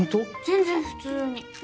全然普通に。